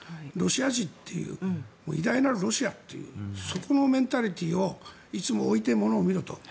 ロシア人って偉大なるロシアっていうそこのメンタリティーをいつも置いて、ものを見ろと。